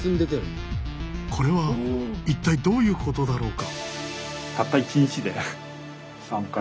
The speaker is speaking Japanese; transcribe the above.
これは一体どういうことだろうか。